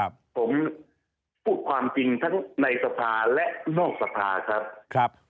ผมพูดความจริงทั้งในสภาและนอกสภาครับครับ